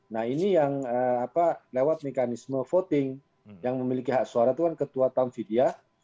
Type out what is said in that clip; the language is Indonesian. nah ini yang lewat mekanisme voting yang memiliki hak suara itu kan ketua tamfidiah